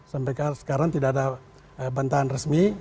sampai sekarang tidak ada bantahan resmi